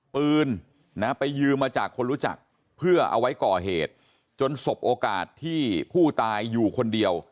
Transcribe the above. ปืนนะไปยืมมาจากคนรู้จักเพื่อเอาไว้ก่อเหตุจนสบโอกาสที่ผู้ตายอยู่คนเดียว